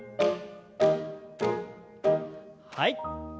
はい。